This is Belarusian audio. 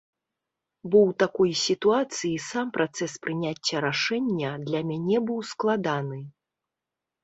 Бо ў такой сітуацыі сам працэс прыняцця рашэння для мяне быў складаны.